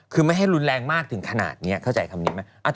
คือไม่แรงมากถึงขนาดนี้เข้าใจคำนี้มั้ย